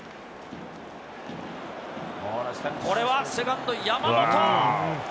これはセカンド、山本。